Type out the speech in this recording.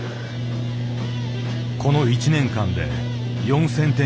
この一年間で４，０００点以上。